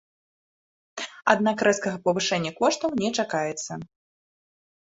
Аднак рэзкага павышэння коштаў не чакаецца.